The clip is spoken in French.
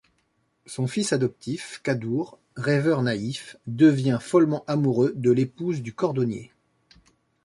Son fils adoptif, Kaddour, rêveur naïf, devient follement amoureux de l'épouse du cordonnier.